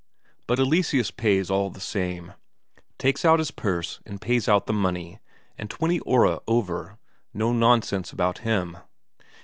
But Eleseus pays all the same, takes out his purse and pays out the money, and twenty Ore over; no nonsense about him.